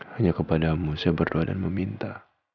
hanya kepada mu saya berdoa dan meminta